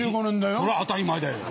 そりゃ当たり前だよ。